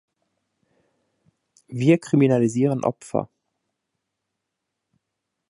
Wir kriminalisieren Opfer.